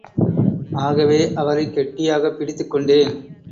ஆகவே அவரைக் கெட்டியாகப் பிடித்துக்கொண்டேன்.